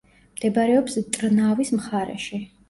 მდებარეობს ტრნავის მხარეში.